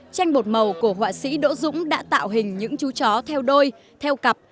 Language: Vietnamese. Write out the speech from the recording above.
tranh bột màu của họa sĩ đỗ dũng đã tạo hình những chú chó theo đôi theo cặp